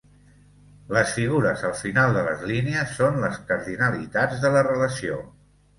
Les figures al final de les línies són les cardinalitats de la relació.